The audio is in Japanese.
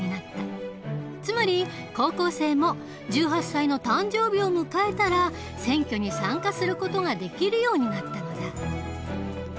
つまり高校生も１８歳の誕生日を迎えたら選挙に参加する事ができるようになったのだ。